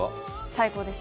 最高です。